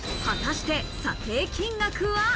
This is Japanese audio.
果たして査定金額は？